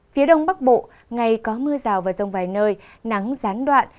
phía đông bắc bộ ngày có mưa rào và rông vài nơi nắng gián đoạn